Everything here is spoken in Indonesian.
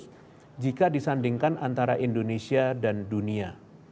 yang bisa disandingkan antara indonesia dan dunia